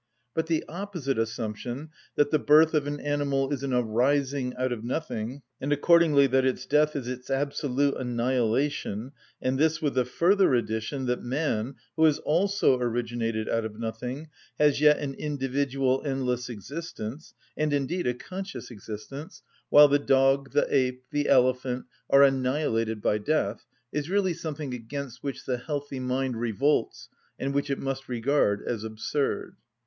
But the opposite assumption that the birth of an animal is an arising out of nothing, and accordingly that its death is its absolute annihilation, and this with the further addition that man, who has also originated out of nothing, has yet an individual, endless existence, and indeed a conscious existence, while the dog, the ape, the elephant, are annihilated by death, is really something against which the healthy mind revolts and which it must regard as absurd.